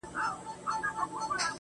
ته مي کله هېره کړې يې,